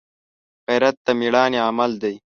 غیرت د مړانې عمل دی